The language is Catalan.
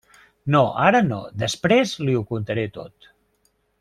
No, ara no; després li ho contaré tot.